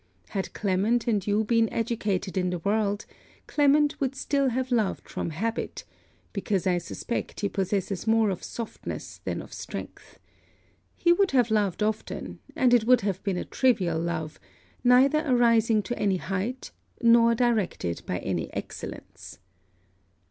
Had Clement and you been educated in the world, Clement would still have loved from habit: because I suspect he possesses more of softness than of strength. He would have loved often; and it would have been a trivial love: neither arising to any height, nor directed by any excellence.